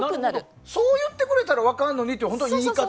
そう言ってくれたら分かるのにっていう言い方。